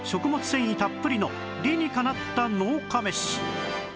繊維たっぷりの理にかなった農家メシ